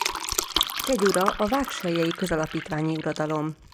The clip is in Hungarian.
Kegyura a vágsellyei közalapítványi uradalom.